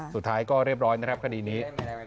สุดท้ายก็เรียบร้อยนะครับคดีนี้